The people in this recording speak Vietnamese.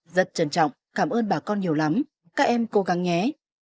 rất trân trọng cảm ơn bà con nhiều lắm các em cố gắng nhé